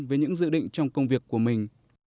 với những dự định trong công việc của mình